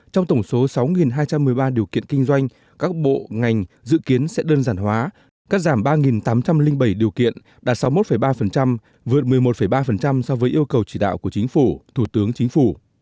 trong tổng số sáu hai trăm một mươi ba điều kiện kinh doanh các bộ ngành dự kiến sẽ đơn giản hóa cắt giảm ba tám trăm linh bảy điều kiện đạt sáu mươi một ba vượt một mươi một ba so với yêu cầu chỉ đạo của chính phủ thủ tướng chính phủ